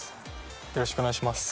よろしくお願いします。